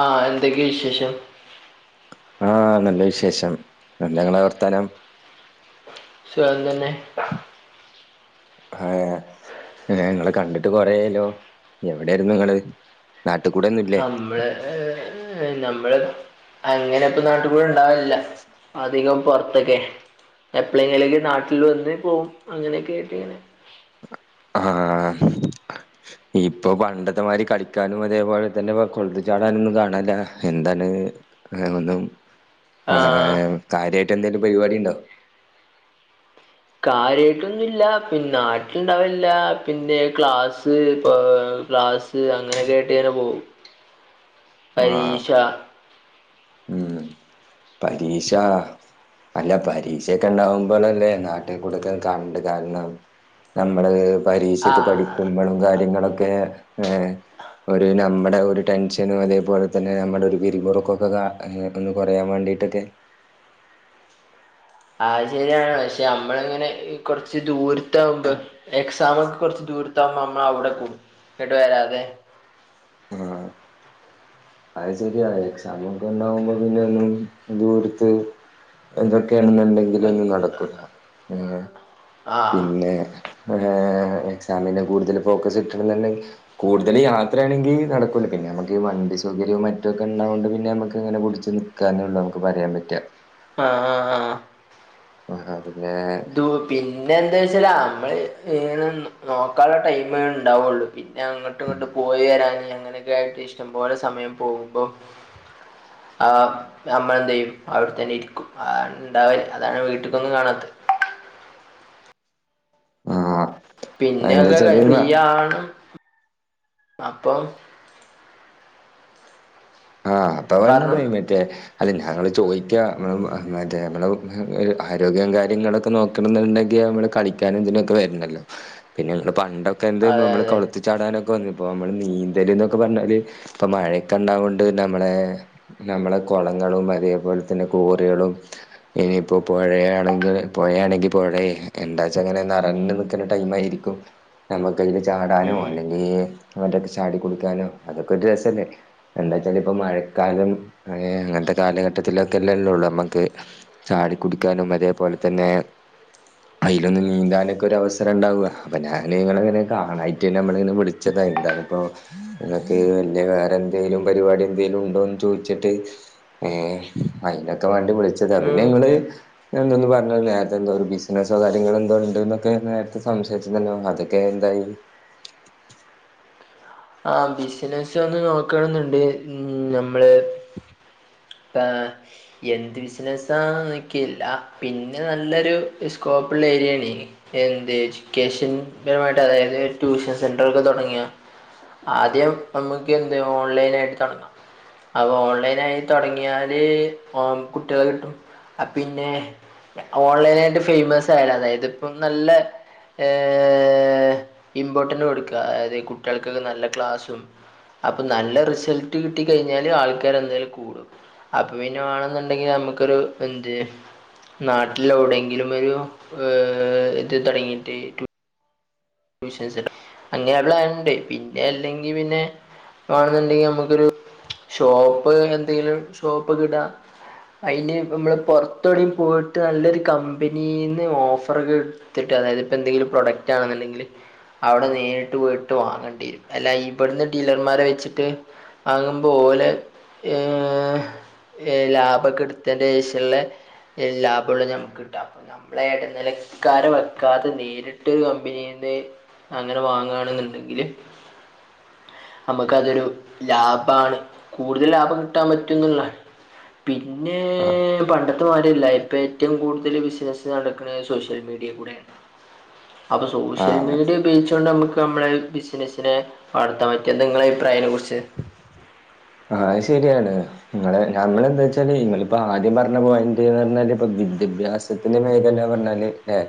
ആഹ് എന്തൊക്കെയ വിശേഷം ആഹ് നല്ല വിശേഷം എന്തൊങ്കെളാ വർത്താനം സുഖം തന്നെ ആഹ് ഇങ്ങളെ കണ്ടിട്ട് കൊറേയായല്ലോ എവിടായിരുന്നു നിങ്ങള് നാട്ടുകൂടെ നമ്മള് നമ്മള് അങ്ങനെ ഇപ്പ നാട്ടി കൂടെ ഇണ്ടാവില്ല അധികം പൊറത്തൊക്കെ എപ്പളെങ്കിലൊക്കെ നാട്ടിൽ വന്ന് പോവും അങ്ങനെയൊക്കെ ആയിട്ട് ഇങ്ങനെ ആഹ് ഇപ്പൊ പണ്ടത്തെ മാതിരി കളിക്കാനും അതേപോലെ തന്നെ കൊളത്തി ചാടാനും ഒന്നും കാണാനില്ല എന്താണ് ഒന്നും ആ ആഹ് കാര്യമായിട്ട് എന്തെലും പരിപാടി ഉണ്ടോ കാര്യമായിട്ടൊന്നുമില്ല പിന്നെ നാട്ടിലുണ്ടാവലില്ല പിന്നെ ക്ലാസ്സ് ക്ലാസ് അങ്ങനൊക്കെയായിട്ടിങ്ങനെ പോകും ആഹ് പരീക്ഷ ഉം പരീഷ അല്ല പരീക്ഷയൊക്കെ ഉണ്ടാവുമ്പോളല്ലേ നാട്ടിൽ കൂടുതൽ കാണണ്ട് കാരണം നമ്മള് പരീക്ഷക്ക് ആഹ് പഠിക്കുമ്പോഴും കാര്യങ്ങളൊക്കെ ഏഹ് ഒരു നമ്മുടെ ഒരു ടെൻഷനും അതേപോലെ തന്നെ നമ്മുടെ ഒരു വിരിമുറുക്കൊക്കെ കാ അങ്ങനെയൊക്കെ ഒന്ന് കൊറയാൻ വേണ്ടിട്ടൊക്കെ ആ ശരിയാണ് പക്ഷെ നമ്മളിങ്ങനെ കൊറച്ച് ദൂരത്താകുമ്പോ എക്സാമൊക്കെ കുറച്ച് ദൂരത്താകുമ്പോ നമ്മള് അവിടെ പോകും ഇങ്ങട്ട് വരാതെ ആഹ് അത് ശരിയാണ് എക്സാമൊക്കെ ഉണ്ടാവുമ്പോ പിന്നെ ഒന്നും ദൂരത്ത് എന്തൊക്കെയാണെന്നുണ്ടെങ്കിലും ആഹ് ഒന്നും നടക്കൂല ഉം ആഹ് പിന്നെ ഒര് എക്സാമിന്റെ കൂടുതല് ഫോക്കസ് കിട്ടണം എന്നുണ്ടെങ്കി കൂടുതല് യാത്രയാണെങ്കി നടക്കൂല പിന്നെ നമുക്ക് ഈ വണ്ടി സൗകര്യം മറ്റൊക്കെ ഉണ്ടായൊണ്ട് പിന്നെ നമുക്ക് ഇങ്ങനപിടിച്ച് നിക്കാ എന്നുള്ളൂ നമുക്ക് പറയാൻ പറ്റാ ആഹ് ആഹ് ആഹ് ആഹ് പിന്നെ ഇത് പിന്നെ എന്താ വെച്ചാല് നമ്മള് ഇങ്ങനെ നോക്കാനുള്ള ടൈമ് ഉണ്ടാവുള്ളു പിന്നെ അങ്ങോട്ടും ഇങ്ങോട്ട് പോയി വരാൻ അങ്ങനെയൊക്കെ ആയിട്ട് ഇഷ്ടംപോലെ സമയം പോകുമ്പം ആഹ് നമ്മള് എന്തെയ്യും അവിടെത്തന്നെ ഇരിക്കും അത ഉണ്ടാവല് അതാണ് വീട്ടിക്കൊന്നും കാണാത്തത് ആഹ് പിന്നെയൊക്കെ എന്താച്ചാല് [unintelligible] അപ്പം ആഹ് അപ്പ വന്ന പറഞ്ഞു മെയിമറ്റേ അല്ല ഞങ്ങൾ ചോയിക്ക നുമ്മ മറ്റേ നമ്മള് ആരോഗ്യം കാര്യങ്ങളൊക്കെ നോ കെടന്നുണ്ടെങ്കെ നമ്മള് കളിക്കാനുതിനൊക്കെ വര്ണല്ലോ പിന്നെ പണ്ടൊ എന്ത് അതെ നമ്മള് അതെ കൊളത്തി ചാടാനൊക്ക വന്നിപ്പോ നമ്മള് നീന്തല് ഇതൊക്ക പറഞ്ഞാല് ഇപ്പം മഴയ്ക്കെണ്ടാവുൺ ണ്ട് നമ്മളെ നമ്മളെ കൊളങ്ങളും അതേപോൽ തന്നെ കോറുകളും ഇനിയിപ്പോ പൊഴ ആണെങ്കില് പൊഴയാണെങ്കി പൊഴയേ എന്താച്ചാ അങ്ങനെ നറഞ്ഞു നിക്കണ ടൈമായിരി നമ്മുക്കയില് ചാടാനും ഉം അല്ലെങ്കി അവ്ടക്കെ ചാടി കൊടുക്കാനും അതൊക്കൊരു രസല്ലേ എന്താച്ചാല് ഇപ്പം മഴക്കാലം അ അങ്ങനത്തെ കാലഘട്ടത്തിലൊക്കെല്ലേ ഉള്ളൂളള് നമ്മക്ക് ചാടി കുടിക്കാനും അതേപോൽ തന്നെ അയിലൊന്ന് നീന്താനൊക്കരു അവസരം ഇണ്ടാവുക അപ്പം ഞാന് നിങ്ങളങ്ങനെ കാണായിട്ട് നമ്മളെ ഇന് വിളി ചെറുതായിണ്ടായിപ്പോ ഇങ്ങക്ക് എന്തേ വേറെന്തേ എന്തേലും പരിപാടി എന്തേലും ഉണ്ടോന്ന് ചോയിച്ചിട്ട് ഏഹ് അയിനൊക്ക വേണ്ടി വിളി ച്ചന്താ പിന്നെ ഉം ഇങ്ങള് എന്തോന്നു പറഞ്ഞൽ നേര്ത്തെ എന്തോ ഒരു ബിസിനസ്സോ കാര്യങ്ങൾ എന്തോ ഉണ്ട്ന്നൊക്കെ നേര്ത്തെ സംസാരിച്ചതല്ലോ അതൊക്കെ എന്തായി ആ ബിസിനസ്സ് ഒന്ന് നോക്കണന്നിണ്ട് നമ്മള് ആ എന്ത് ബിസിനസ്സാ നിക്കില്ലാ പിന്ന നല്ലൊരു സ്കോപ്പുള്ള ഏരിയാണെ എന്ത് എജ്യൂക്കേഷൻ ബരമായിട്ട് അതായത് ട്യൂഷൻ സെന്റററൊക്കെ തൊടങ്ങിയാ ആദ്യം നമ്മുക്ക് എന്ത് ഓൺലൈനായിട്ട് തൊടങ്ങാം അപ്പൊ ഓൺലൈനായി തൊടങ്ങിയാല് ഓം കുട്ട്യോളെ കിട്ടും അ പിന്നെ ഓൺലൈനായിട്ട് ഫേമസായാല് അതായിത് ഇപ്പം നല്ല ഏഹ് ഇമ്പോർട്ടന്റ് കൊടുക്ക അത് ഈ കു കുട്ടിയൾക്ക് നല്ല ക്ലാസും അപ്പം നല്ല റിസൾട്ട് കിട്ടിക്കഴിഞ്ഞാല് ആൾക്കാരന്തായാലും കൂടും അപ്പൊ പിന്നെ വേണംന്നുണ്ടെങ്കി നമുക്കൊരു എന്ത് നാട്ടിൽ എവിടെങ്കിലും ഒരു അ ഇത് തൊടങ്ങീട്ട് ബിസിനസ്സ് ഇടാം അങ്ങെന പ്ലാനിണ്ട് പിന്നെ അല്ലെങ്കി പിന്നെ വേണംന്നുണ്ടെങ്കി നമുക്കൊരു ഷോപ്പ് എന്തെങ്കിലും ഷോപ്പക്കിടാം അയിന് ഇപ്പം നമ്മള് പൊറത്തൂടെ പോയിട്ട് നല്ലൊരു കംമ്പനീന്ന് ഓഫറൊക്കെ ഇ ത്തിട്ടാ ആതായിത് ഇപ്പം എന്തേലും പ്രോഡക്റ്റ് ആണെന്നിണ്ടെങ്കില് അവ്ടെ നേരിട്ട് പോയിട്ട് വാങ്ങണ്ടി വെരും അല്ലാ ഇബ്ടുന്ന് ഡീലർമാരെ വെച്ചിട്ട് ആകുംമ്പോലേ ഏഹ് ഹേ ലാഭൊക്കെ എടുത്തേന്റെഷൊള്ള ഏ ലാഭൊള്ള ഞമ്മക്ക് കിട്ട നമ്മളെ എടനിലക്കാരെ വെക്കാതെ നേരിട്ട് ഒരു കംമ്പനി---കംമ്പനി നെ അങ്ങനെ വാങ്ങാണെന്നുണ്ടെങ്കില് നമ്മക്കതൊരു ലാഭാണ് കൂടുതൽ ലാഭം കിട്ടാൻ പറ്റുന്നുള്ള പിന്നെ ആഹ് പണ്ടത്തെമാരി അല്ല ഇപ്പം ഏറ്റവും കൂടുതൽ ബിസിനസ്സ് നടക്കണത് സോഷ്യൽ മീഡിയ കൂടി അപ്പ സൗ സഷ്യൽ ആഹ് മീഡിയ ഉപയോയിച്ചോണ്ട് നമുക്ക് നമ്മളെ ബിസിനസ്സിനെ വളർത്താൻ പറ്റും എന്താ നിങ്ങള അയിപ്രായം യിന കുറിച്ച് ആഹ് ശെരിയാണ് നിങ്ങള് ഞങളെന്താവെച്ചാലെ ഇങ്ങളിപ്പോ ആദ്യം പറഞ്ഞ പോയൻഡ് ന്ന് പറഞ്ഞാല് ഇപ്പ വിദ്യാഭ്യാസം ത്തിന്റെ മേഖലാന്ന് പറഞ്ഞാല് ഏഹ്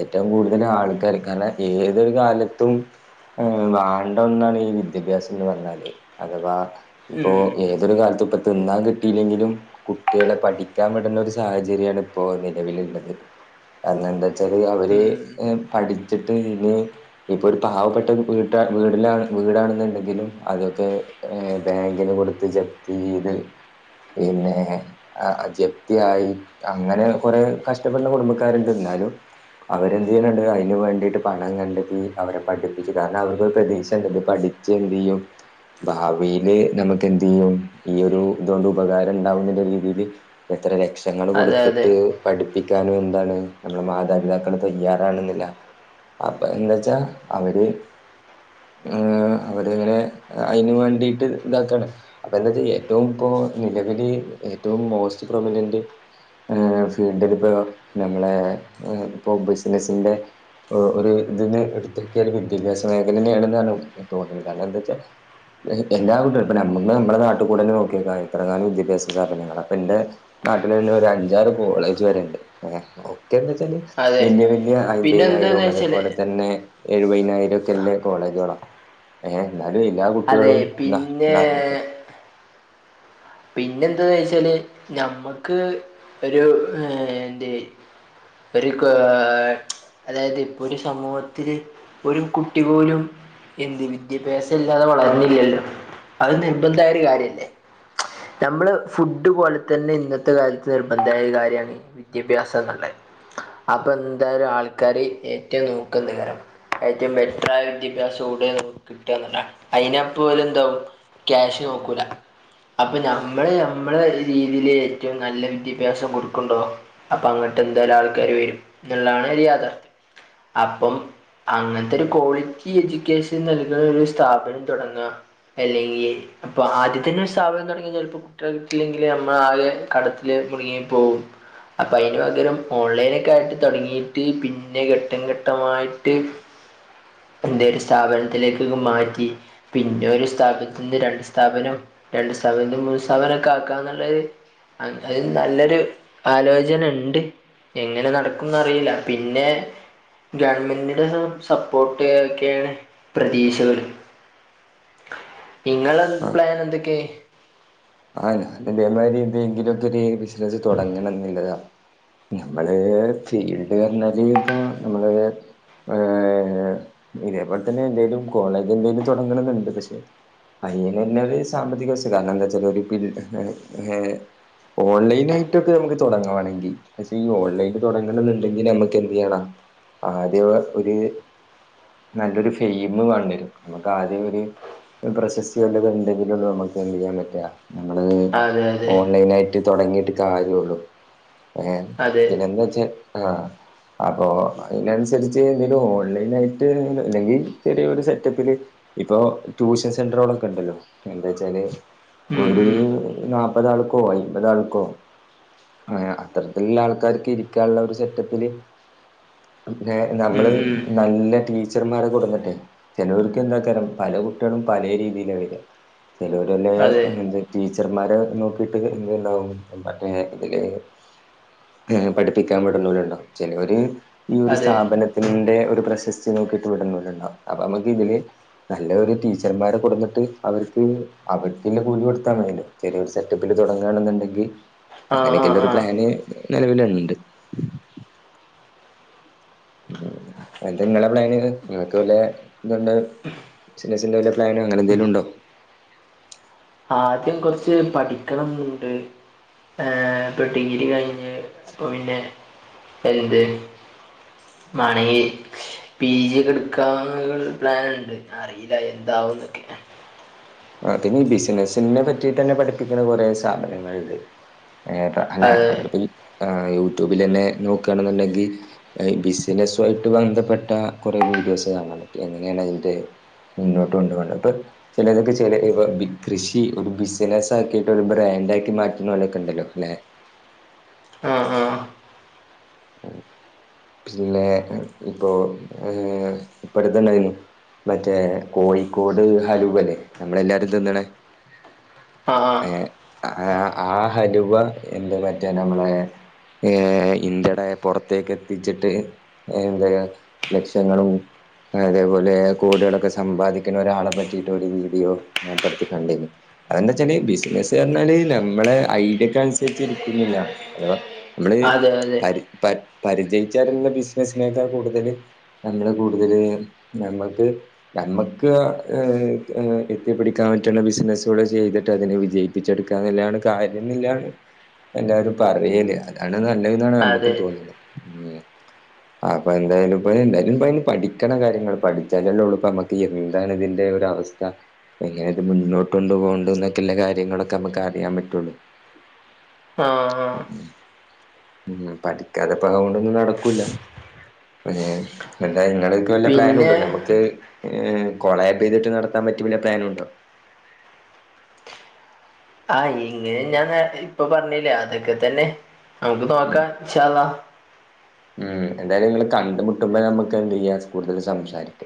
ഏറ്റവും കൂടുതലാൾക്കാരിക്കാണെ ഏതൊരു കാലത്തും ഏഹ് വേണ്ടൊന്നാണ് ഈ വിദ്യാഭ്യാസം എന്ന് പറഞ്ഞാല് അഥവാ ഇപ്പൊ ഉം, ഏതൊരു കാലത്തും ഇപ്പൊ തിന്നാൻ കിട്ടിയിലെങ്കിലും കുട്ട്യോള പഠി ക്കാൻവിടുന്ന ഒരു സാഹചര്യാണ് ഇപ്പോ നിലവിലിള്ളത് അങ്ങൻണ്ട് ചെറിയവര് ഉം. ഹ് പഠിച്ചട്ട് ഇനി ഇനിപ്പൊ ഒരു പാവപ്പെട്ട വീട്ടാ വീടില വീടാണെന്നുണ്ടെങ്കിലും അതൊക്കെ ഏഹ് ബാങ്കിന് കൊടുത്ത് ജെപ്റ്റി ചെയ്ത് പിന്ന ഹേ ആ അ ജപ്തിയായി അങ്ങനെ കൊറെ കഷ്ടപ്പെടുന്ന കുടുംബക്കാരുണ്ട് ന്നാലും അവരെന്തയിണിണ്ട് അയിന് വേണ്ടിട്ട് പണം കണ്ടെത്തി അവരെ പഠിപ്പിച്ചു കാരണം അവർക്ക് ഒരു പ്രതീക്ഷണ്ട് പഠി പ്പിച്ചു എന്തേയ്യും ഭാവി വേ നമുക്ക് എന്ത്യ്യും ഈ ഒരു ഇതൊണ്ട് ഉപകാരം ഇണ്ടാവുന്ന രീതില് എത്ര ലക്ഷ ങ്ങൾ അതെ അതെ കൊടുത്തിട്ട് പഠിപ്പിക്കാനും ന്താണ് നമ്മുടെ മാതാപിതാക്കൾ തയ്യാറാണെന്നില്ല അപ്പൊ എന്താച്ചാ അവര് ഹ് ഹ് അവരിങ്ങനെ അയിന് വേണ്ടി ട്ട് ഇതാക്കാണ് അപ്പൊ എന്താച്ചാ ഏറ്റവും ഇപ്പോ നിലവില് ഏറ്റവും മോസ്റ്റ് പ്രൊമിനന്റ് ഈ ഫീൽഡിൽ ഇപ്പോ നമ്മളെ ഇപ്പൊ ബിസിനസിന്റെ ഒരു ഇതിന്ന് എടുത്തോക്കിയ ഒരു വിദ്യാഭ്യാസ മേഖലന്നെ ആണെന്നാണ് തോന്നുന്നത് കാരണം എന്താച്ചാൽ എല്ലാ വീട്ടെരും ഇപ്പ നമ്മ നമ്മുടെ നാട്ടി കൂടെന്നെ നോക്കിയക്ക എത്രാങ്ങാനും വിദ്യാഭ്യാസ സാബനങ്ങളാ പ്പന്റെ നാട്ടിലന്നെ ഒരു അഞ്ചാറ് കോളേജ് വരെണ്ട് ഹേ ഒക്കെന്ന്ച്ചാല് അതെ വല്യ വല്യ പിന്നെ എന്താന്ന് അയിമ്പിനായിരം വെച്ചാൽ അതേപോലെ തന്നെ എഴുവയിനായിരം ഒക്കെല്ലേ കോളേജ്കളാ ഏ എന്നാലും എല്ലാ അതെ കുട്ടികളും ന്നാ പിന്നെ ന്നാർഞ്ഞിക്ക ഏ - പിന്നെന്താന്ന്ച്ചാല് ഞമ്മക്ക് ഒരു എയെന്റി ഒരു ക് അതായത് ഇപ്പോ ഒരു സമൂഹത്തില് ഒരു കുട്ടിപോലും എന്ത് വിദ്യാഭ്യാസം ഇല്ലാതെ വളരണില്ലല്ലോ അത് നിർബന്ധായ ഒരു കാര്യല്ലേ നമ്മള് ഫുഡ് പോലെ തന്നെ ഇന്നത്തെ കാലത്ത് നിർബന്ധായോര് കാര്യണ് വിദ്യാഭ്യാസംന്ന്ള്ളേ അപ്പൊ എന്തായാലും ആൾക്കാര് ഏറ്റവും നോക്കന്തേക്കരം ഏറ്റവും ബെറ്ററായ വിദ്യാഭ്യാസം എവിടെയാന്ന് കിട്ട്കന്ന്ള്ളാണ് അയിനപ്പോലെന്തോ ക്യാഷ് നോക്കൂല. അപ്പൊ ഞമ്മള് ഞമ്മളൊരു രീതില് ഏറ്റവും നല്ല വിദ്യാഭ്യാസം കൊടുക്കുണ്ടോ അപ്പൊ അങ്ങട്ട് ന്താലും ആൾക്കാര് വരും ന്ന്ള്ളാണ്ണൊരു യാഥാർഥ്യം അപ്പം അങ്ങനത്തെ ഒരു കൊളിറ്റി യെജുക്കേഷൻ നൽകണോരു സ്ഥാപനം തുടങ്ങാ എല്ലെങ്കി അപ്പൊ ആദ്യതെന്നേ [unintelligible] സ്ഥാപനം തോടങ്ങിയ ചെലപ്പോ കുട്ട്യാളെ കിട്ടില്ലെങ്കില് നമ്മൾ ആകെ കടത്തില് കുട്ങ്ങി പോകും. അപ്പ അയിന് പകരം ഓൺലൈനൊക്കെ ആയിട്ട് തൊടങ്ങിയിട്ട് പിന്നെ ഘട്ടം ഘട്ടമായിട്ട് എന്റെ ഒരു സ്ഥാപനത്തിലേക്കോക്കെ മാറ്റി പിന്നെ ഒരു സ്ഥാപനത്തിന്ന് രണ്ട് സ്ഥാപനം രണ്ട് സ്ഥാപനം മൂന്ന് സ്ഥാപനം ഒക്കെ ആക്കന്ന്ള്ളോരു അങ്ങനിം നല്ലൊരു ആലോചനണ്ട്. എങ്ങനെ നടക്കുംന്ന് അറീല്ല പിന്നെ ഗവണ്മെന്റിന്റെ സപ്പോർട്ട് ഒക്കെയാണ് പ്രതീക്ഷകൾ. നിങ്ങളെ ആ പ്ലാൻ എന്തൊക്കെയ? ആ ഞാൻ ഇതേമാരീതിെങ്കിലുംക്കെര് ബിസിനസ് തുടങ്ങണംന്ന്ള്ളതാ. ഞമ്മള് ഫീൽഡ് പറഞ്ഞാല് പ്പൊ നമ്മള് ഏ ഇതേപോലെ തന്നെ എന്തേലും കോളേജ് എന്തേലും തോടങ്ങണംന്നണ്ട് പഷേ അയ്യനെന്നോര് സാമ്പത്തിക വശല്ല ന്താചല് ഒരു [unintelligible] ഓൺലൈൻ ആയിട്ടൊക്കെ നമുക്ക് തോടങ്ങവാണെങ്കി പക്ഷേ ഈ ഓൺലൈൻല് തുടങ്ങണന്നുണ്ടെങ്കിൽ നമക്ക് എന്ത് ചെയ്യണാ ആദ്യ വ ഒര് നല്ലൊരു ഫെയിമ് വേണ്ടിവരും നമുക്കാദ്യം ഒര് പ്രശസ്തി എന്തെങ്കിലും ഇണ്ടെങ്കിലുള്ളൂ നമക്ക് എന്ത്യ്യാൻ പറ്റ ഞമ്മള് അതെ അതെ ഓൺലൈനായിട്ട് തോടങ്ങിട്ട് കാര്യോള്ളു. ഏ അതെ പിന്നെന്താ വച്ചാ ആ അപ്പൊ അയിനനുസരിച്ച് എന്തെലും ഓൺലൈൻ ആയിട്ട് അല്ലെങ്കിൽ ചെറിയൊരു സെറ്റപ്പില് ഇപ്പൊ ട്യൂഷൻ സെന്ററോളോക്കെ ഇണ്ടല്ലോ എന്തേച്ചാല് ഉം ഒരു ഉം നാല്പതാൾക്കോ അയിമ്പതാൾക്കോ ആ അത്തരത്ത്ല്ള്ള ആൾക്കാർക്ക് ഇരിക്കാള്ള ഒരു സെറ്റപ്പില് പിന്നെ ഉം നമ്മള് ഉം നല്ല ടീ ച്ചർമാരെ കൊടുന്നിട്ടെ ചേലോർക്ക് എന്താക്കരം പല കുട്ട്യളും പലേ രീതിയില വെരാ ചേലോ - ലോല് അതെ എന്താ ടീച്ചർമാരെ നോക്കിട്ട് എന്ത്ണ്ടകും മറ്റേ ഇതില്- [unintelligible] പഠിപ്പിക്കാൻ വിട് ന്നോര്ണ്ടാവും ചേലോര് ഈ ഒരു അതെ സ്ഥാപന- തിന്റെ ഒരു പ്രശസ്തി നോക്കിയിട്ട് വിടുന്നോല്ണ്ടാവും അപ്പോ മക്ക് ഇതില് - നല്ല ഒരു ടീച്ചർമാരെ കൊടുന്നിട്ട് അവർക്ക് അവർ - ക്കിന്റെ കൂലി കൊടുത്ത മതിയെലോ, ചെറിയ ഒരു സെറ്റപ്പില് തോടങ്ങണെന്നുണ്ടെങ്കി. ആ ആ അങ്ങനെക്കെള്ള ഒരു ആ പ്ലാന് നിലവില്ഇണ്ട്. എന്താ ഇങ്ങളെ പ്ലാന് ഇങ്ങക്ക് വല്ലാ ഇതുണ്ട? ബിസ്നസ്സിന്റെ വല്ല പ്ലാനോ- അങ്ങനെതെങ്കിലും ഉണ്ടോ? ആദ്യം കുറച്ച് പഠിക്കണംന്നുണ്ട്. ആഹാ ഇപ്പോ ഡിഗ്രി കഴിഞ്ഞ്, അപ്പോ പിന്നെ എന്ത്? മാണെങ്കി - പി. ജി കടുക്കാ പ്ലൻ ഉണ്ട്, അറിയില്ല എന്താവന്നൊക്കെ. ആഹാ പിന്നെ ഈ ബിസിനസിനെ- പറ്റിറ്റെന്നെ പഠിപ്പിക്ക്ണ കൊറേ സ്ഥപനങ്ങൾണ്ട്. ആഹാ പ്പ അല്ല അതെ ഞമ്മള്പ്പോ ഇ... യൂട്യൂബിലെന്നെ നോക്കാണ്ന്ന്ണ്ടെങ്കി- [inaudible] ബിസിനസു ആയിട്ട് ബന്ധപ്പെട്ട കൊറേ വീഡിയോസ് കാണാൻ പറ്റും എങ്ങനെയാണ് അയിന്റെ- മുന്നോട്ട് കൊണ്ട്പോണ്ട് ഇപ്പോ ചിലരൊക്കെ ചെയ്‌- അല്ല ഇപ്പോ കൃഷി ഒരു ബിസിനസ് ആക്കിട്ട് ഒരു ബ്രാന്റായിട്ട് മാറ്റുന്നലോക്കെ ഉണ്ടല്ലോലേ? ആഹാ ആഹാ... ! [inaudible] പിന്നെ ഇപ്പോ ഇപ്പടുത്തണ്ടായിരുന്നു, മറ്റേ കോഴിക്കോട് ഹലൂവ ല്ലേ നമ്മളെല്ലാരും തിന്നണേ, ആഹ് ആഹ് ആഹാ ആഹാ ആഹലുവ എന്ത് മറ്റേ നമ്മളെ- ആഹാ ഇന്ത്യ- പുറത്തേക്ക് എത്തിച്ചിട്ട് എന്ത ലക്ഷങ്ങളും, അതേപോലെ കോടികളൊക്കെ സമ്പാദിക്കുന്ന ഒരാളെ പറ്റിയിട്ട് ഒരു വീഡിയോ. നാപ്പട്ത്ത് കണ്ടിനു. അതെന്താച്ചാല് ബിസിനസ്- പറഞ്ഞാല് നമ്മളെ ഐഡിയക്ക- അനുസരിച്ചിരിക്കുന്നില്ല അഥവാ, മ്മള്... ! ആഹാ അതെ.. ! പരി... പരിചയിച്ചരുന്ന- ബിസിനസിനേക്കാ കൂടുതല്- നമ്മെ കൂടുതല് നമ്മക്ക്- നമ്മക്ക് ആഹാ എത്തിപിടിക്കാൻ പറ്റുള്ള ബിസിനസ്ള് ചെയ്തിട്ട് അതിനെ വിജയിക്കും. പിച്ചെടുക്ക ന്നുള്ളതാണ് കാര്യം ന്നില്ലന്ന് എല്ലാവരും പറയല് അതാണ് നല്ലനാണ്. ക്കും അതെ തോന്നിന്. [inaudible] ആഹാ അപ്പോ എന്തായാലുംപ്പോ എന്തായാലും ഇ പഠിക്ക കാര്യങ്ങള് പഠിച്ചാലല്ലൊള്ളൂ പ്പമ്മക്ക്, എന്താണ് ഇതിന്റെ ഒരവസ്ഥ? എങ്ങനെത് മുന്നോട്ട് കൊണ്ട്- പോകണ്ട ന്നോക്കെള്ള കാര്യങ്ങളൊക്കെമ്മക്ക് അറിയാൻ പറ്റുള്ളൂ. ആഹ ആഹ... ! [unintelligible] പഠിക്കാതെപ്പതുകൊണ്ടൊന്നും നടക്കൂല ആഹാ ങ്ങള്- വല്ല പ്ലാനും ഉണ്ടോ? പിന്നെ നമുക്ക് കോളാബ് ചെയ്തിട്ട് നടത്താൻ പറ്റിയ വല്ല പ്ലാനും ഉണ്ടോ? ആ ഇങ്ങനെ ഞാൻ ഇപ്പോ പറഞ്ഞില്ലേ അതൊക്കെ തന്നെ നമുക്ക് ഉം നോക്കാ ഇന്ഷാ അല്ലാഹ്. ഉം... എന്തായാലും നിങ്ങൾ കണ്ടുമുട്ടുമ്പോ നമ്മക്ക് എന്ത് ചെയ്യാ കൂടുതൽ സംസാരിക്ക.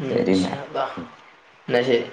ഉം... ഇന്ഷാ അല്ലാഹ് ന്ന ശരി!